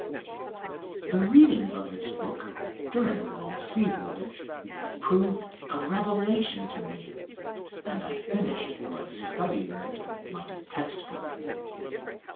The reading of this book during the long sea voyage proved a revelation to me, and I finished by studying it like a text book.